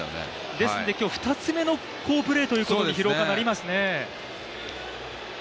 ですので今日２つめの好プレーと廣岡はなりますね。